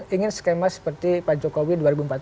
ingin skema seperti pak jokowi dua ribu empat belas